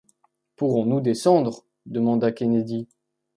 Pourrons-nous descendre ? demanda Kennedy.